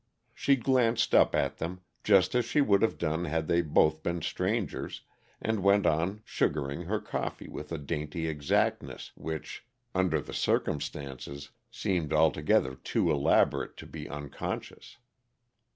She glanced up at them, just as she would have done had they both been strangers, and went on sugaring her coffee with a dainty exactness which, under the circumstances, seemed altogether too elaborate to be unconscious.